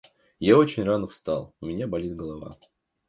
Я очень рано встал, у меня болит голова.